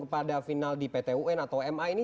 kepada final di pt un atau ma ini